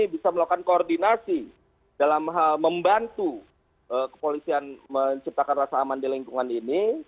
bisa melakukan koordinasi dalam hal membantu kepolisian menciptakan rasa aman di lingkungan ini